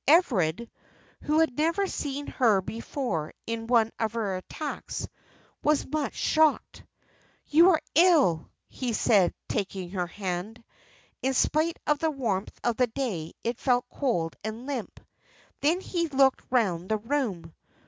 Everard, who had never seen her before in one of her attacks, was much shocked. "You are ill," he said, taking her hand. In spite of the warmth of the day, it felt cold and limp. Then he looked round the room.